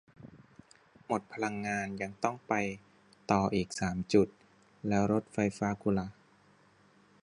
หมดพลังงาน ยังต้องไปต่ออีกสามจุด แล้วรถไฟฟ้ากูล่ะ